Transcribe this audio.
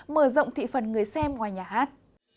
mở rộng thị phần người xem ngoài nhà hát